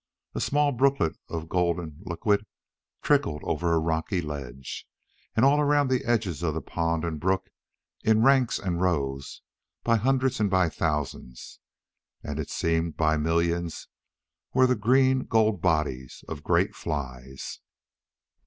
A small brooklet of golden liquid trickled over a rocky ledge, and all round the edges of the pond and brook, in ranks and rows, by hundreds and by thousands and it seemed by millions, were the green gold bodies of great flies.